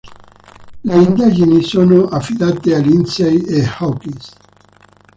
Le indagini sono affidate a Lindsay e Hawkes.